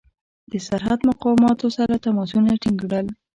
د سرحد مقاماتو سره تماسونه ټینګ کړل.